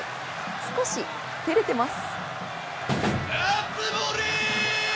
少し照れてます。